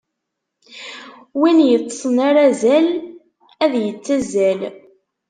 Win yeṭṭsen ar azal, ad d-yettazzal.